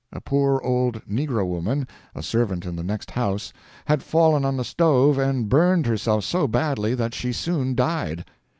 A poor old negro woman, a servant in the next house, had fallen on the stove and burned herself so badly that she soon died.